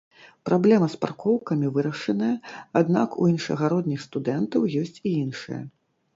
Праблема з паркоўкамі вырашаная, аднак у іншагародніх студэнтаў ёсць і іншыя.